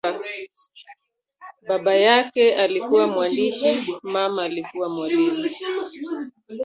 Baba yake alikuwa mwandishi, mama alikuwa mwalimu.